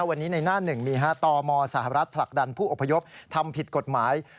วันนี้ในหน้าหนึ่งมีตมสหรัฐผลักดันผู้อพยพทำผิดกฎหมาย